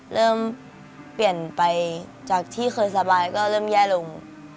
เริ่มเปลี่ยนไปจากที่เคยสบายก็เริ่มแย่ลง